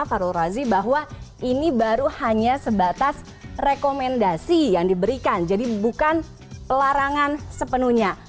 farul razi bahwa ini baru hanya sebatas rekomendasi yang diberikan jadi bukan larangan sepenuhnya